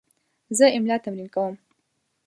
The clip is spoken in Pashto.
زه املا تمرین کوم.